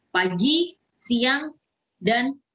pagi siang dan maksudnya